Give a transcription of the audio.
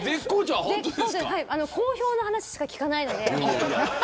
好評の話しか聞かないので。